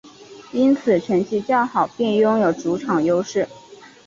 因此成绩较好便拥有主场优势。